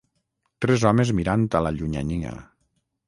Tres homes mirant a la llunyania